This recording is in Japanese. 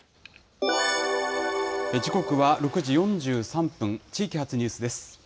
時刻は６時４３分、地域発ニュースです。